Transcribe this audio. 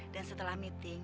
dan setelah meeting